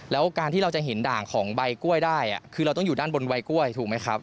แล้วการที่เราจะเห็นด่างของใบกล้วยได้คือเราต้องอยู่ด้านบนใบกล้วยถูกไหมครับ